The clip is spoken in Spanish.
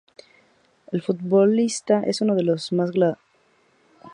El futbolista es uno de los más galardonados en este deporte.